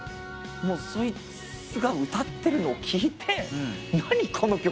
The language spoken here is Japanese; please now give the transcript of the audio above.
そいつが歌ってるのを聴いて「何？この曲。